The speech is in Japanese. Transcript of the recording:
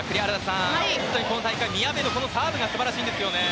今大会、宮部のサーブが素晴らしいんですよね。